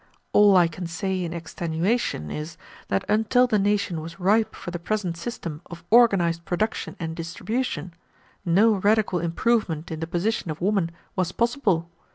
"All I can say in extenuation is that until the nation was ripe for the present system of organized production and distribution, no radical improvement in the position of woman was possible.